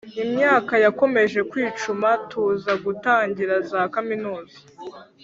imyaka yakomeje kwicuma tuza gutangira za kaminuza